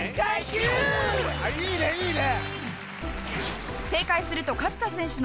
いいねいいね！